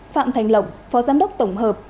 phạm thành lộng phó giám đốc tổng hợp